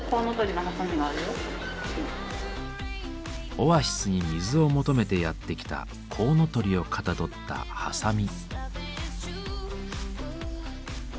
オアシスに水を求めてやって来たコウノトリをかたどったハサミ。